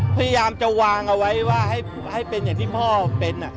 พยายามจะวางเอาไว้ว่าให้เป็นอย่างที่พ่อเป็น